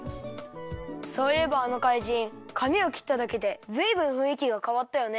そういえばあのかいじんかみをきっただけでずいぶんふんいきがかわったよね。